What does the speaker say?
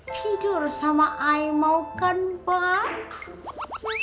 tidur sama an mau kan bang